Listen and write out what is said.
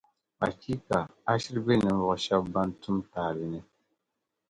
Achiika! A shiri be ninvuɣu shɛba ban tum taali ni.